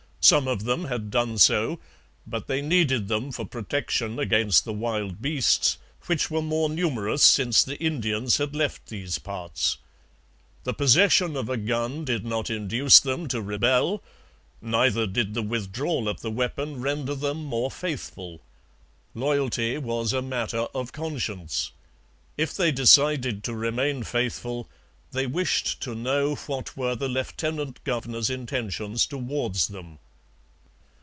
Some of them had done so, but they needed them for protection against the wild beasts, which were more numerous since the Indians had left these parts. The possession of a gun did not induce them to rebel, neither did the withdrawal of the weapon render them more faithful. Loyalty was a matter of conscience. If they decided to remain faithful, they wished to know what were the lieutenant governor's intentions towards them.